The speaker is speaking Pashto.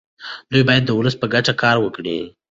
دوی باید د ولس په ګټه کار وکړي.